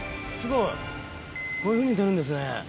すごい。こういうふうに出るんですね。